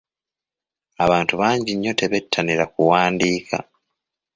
Abantu bangi nnyo tebettanira kuwandiika.